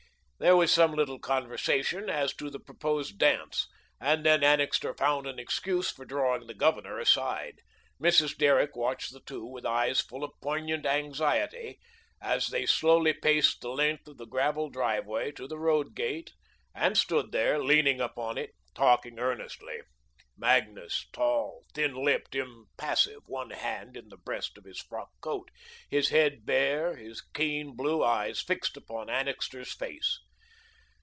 There was some little conversation as to the proposed dance, and then Annixter found an excuse for drawing the Governor aside. Mrs. Derrick watched the two with eyes full of poignant anxiety, as they slowly paced the length of the gravel driveway to the road gate, and stood there, leaning upon it, talking earnestly; Magnus tall, thin lipped, impassive, one hand in the breast of his frock coat, his head bare, his keen, blue eyes fixed upon Annixter's face.